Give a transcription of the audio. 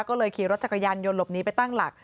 ก็เลยขี่รถจักรยานยนต์หลบหนีไปตั้งหลัก